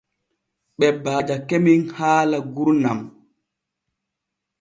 Ɓe baajake men haala gurnan.